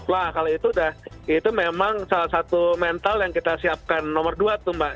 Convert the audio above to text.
wah kalau itu udah itu memang salah satu mental yang kita siapkan nomor dua tuh mbak